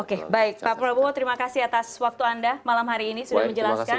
oke baik pak prabowo terima kasih atas waktu anda malam hari ini sudah menjelaskan